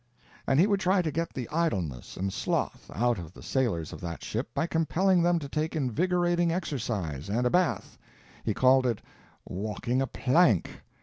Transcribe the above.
And he would try to get the idleness and sloth out of the sailors of that ship by compelling them to take invigorating exercise and a bath. He called it "walking a plank."